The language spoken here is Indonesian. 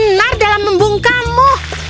benar dalam membungkamu